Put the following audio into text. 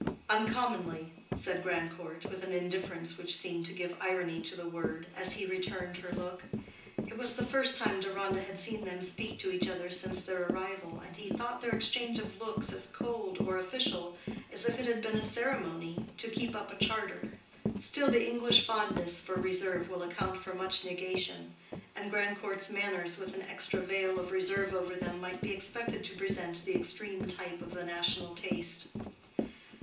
"Uncommonly," said Grandcourt, with an indifference which seemed to give irony to the word, as he returned her look. It was the first time Deronda had seen them speak to each other since their arrival, and he thought their exchange of looks as cold or official as if it had been a ceremony to keep up a charter. Still, the English fondness for reserve will account for much negation; and Grandcourt's manners with an extra veil of reserve over them might be expected to present the extreme type of the national taste.